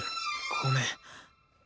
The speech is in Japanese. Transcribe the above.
ごめん。